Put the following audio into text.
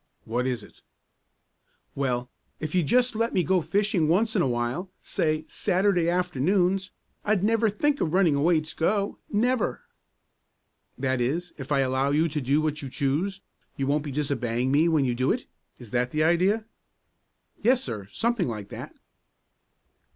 "What is it?" "Well, if you'd just let me go fishing once in a while, say Saturday afternoons, I'd never think of running away to go, never." "That is, if I allow you to do what you choose, you won't be disobeying me when you do it? Is that the idea?" "Yes, sir, something like that."